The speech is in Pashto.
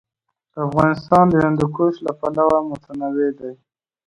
افغانستان د هندوکش له پلوه متنوع دی.